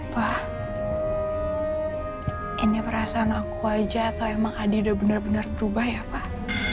pak ini perasaan aku aja atau emang adi udah bener bener berubah ya pak